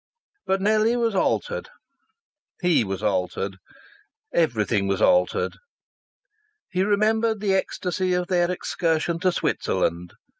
But Nellie was altered; he was altered; everything was altered. He remembered the ecstasy of their excursion to Switzerland.